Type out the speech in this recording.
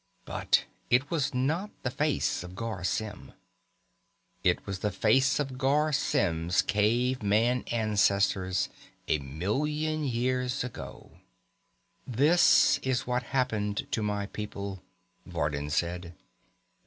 But it was not the face of Garr Symm. It was the face of Garr Symm's caveman ancestors, a million years ago.... "This is what happened to my people," Vardin said.